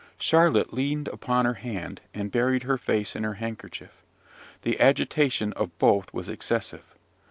Charlotte leaned upon her hand, and buried her face in her handkerchief: the agitation of both was excessive.